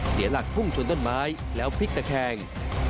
เสียหลักพุ่งชนต้นไม้แล้วพลิกตะแคง